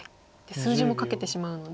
数字も書けてしまうので。